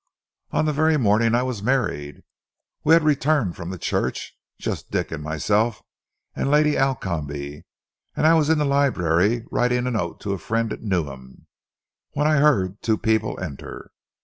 "On the very morning I was married. We had returned from the church, just Dick and myself and Lady Alcombe, and I was in the library writing a note to a friend at Newnham, when I heard two people enter.